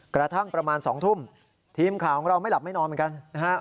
กระทั่งประมาณ๒ทุ่มทีมข่าวของเราไม่หลับไม่นอนเหมือนกันนะครับ